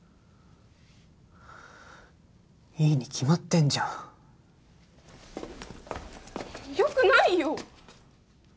いいに決まってんじゃんよくないよ！